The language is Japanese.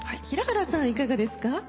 平原さんいかがですか？